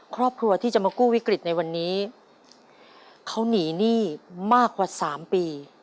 ครอบครัวที่จะมากู้วิกฤตในวันนี้เขาหนีหนี้มากกว่า๓ปี